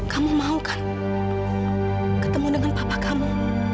kamu mau kan ketemu dengan papa kamu